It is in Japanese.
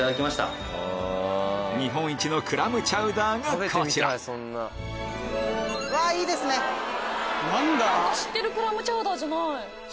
日本一のクラムチャウダーがこちら知ってるクラムチャウダーじゃない。